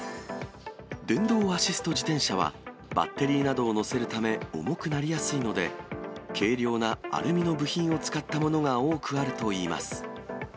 電動アシスト自転車は、バッテリーなどを載せるため重くなりやすいので、軽量なアルミの部品を使ったものが多くあるといいます。